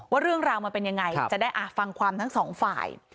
เรื่องราวมันเป็นยังไงจะได้ฟังความทั้งสองฝ่าย